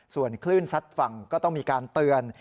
ส่วนคลื่นซัดฝั่งก็ต้องมีการเตือน